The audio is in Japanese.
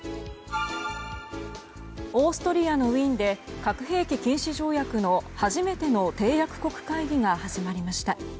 オーストリアのウィーンで核兵器禁止条約の初めての締約国会議が始まりました。